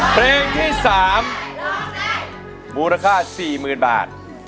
เพลงที่สามมูลค่าสี่หมื่นบาท